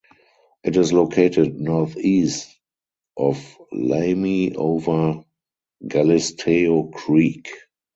It is located northeast of Lamy over Galisteo Creek.